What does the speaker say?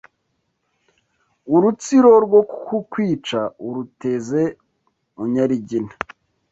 Urutsiro rwo kukwica uruteze mu Nyarigina